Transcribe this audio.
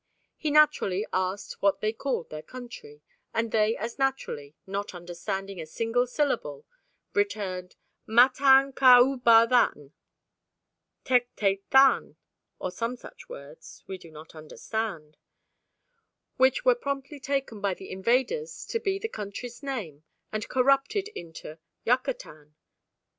He naturally asked what they called their country, and they as naturally, not understanding a single syllable, returned, "Matan c ubah than," "Tec te than," or some such words ("We do not understand"), which were promptly taken by the invaders to be the country's name and corrupted into "Yucatan."